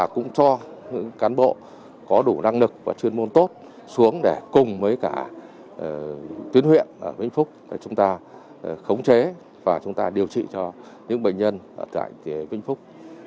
chúng tôi có chuyên môn tốt xuống để cùng với cả tuyến huyện ở vĩnh phúc để chúng ta khống chế và chúng ta điều trị cho những bệnh nhân tại vĩnh phúc